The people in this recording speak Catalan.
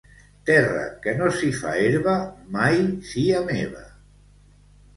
Terra que no s'hi fa herba, mai sia meva.